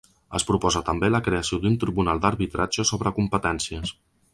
Es proposa també la creació d’un tribunal d’arbitratge sobre competències.